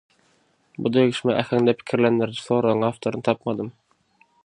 Bu degişme äheňde pikirlendiriji soragyň awtoryny tapmadym.